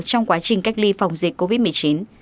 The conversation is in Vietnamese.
trong quá trình cách ly phòng dịch covid một mươi chín